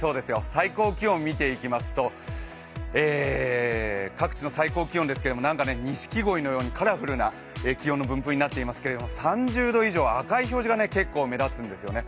最高気温を見ていきますと各地の最高気温ですけれどもにしきごいのようにカラフルな気温の分布になっていますけれども３０度以上、赤い表示が結構目立つんですよね。